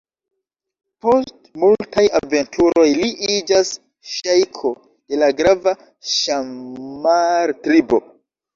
Post multaj aventuroj li iĝas ŝejko de la grava Ŝammar-tribo.